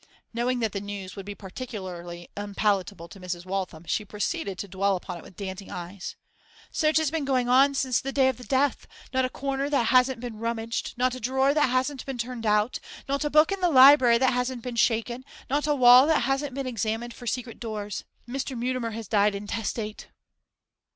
Knowing that the news would be particularly unpalatable to Mrs. Waltham, she proceeded to dwell upon it with dancing eyes. 'Search has been going on since the day of the death: not a corner that hasn't been rummaged, not a drawer that hasn't been turned out, not a book in the library that hasn't been shaken, not a wall that hasn't been examined for secret doors! Mr. Mutimer has died intestate!